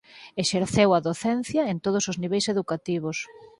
Exerceu a docencia en todos os niveis educativos.